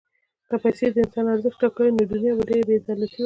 که پیسې د انسان ارزښت ټاکلی، نو دنیا به ډېره بېعدالته وای.